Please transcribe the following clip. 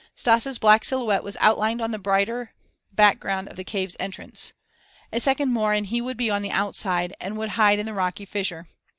Stas' black silhouette was outlined on the brighter background of the cave's entrance. A second more and he would be on the outside, and would hide in the rocky fissure.